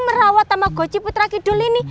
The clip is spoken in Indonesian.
merawat tamagoci putra kidul ini